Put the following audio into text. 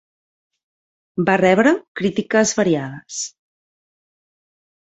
Va rebre crítiques variades.